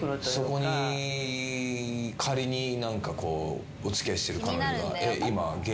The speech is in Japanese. そこに仮にお付き合いしてる彼女が。